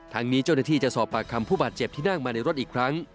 ทางนี้เจ้าหน้าที่จะสอบปากคำผู้บาดเจ็บที่นั่งมาในรถอีกครั้ง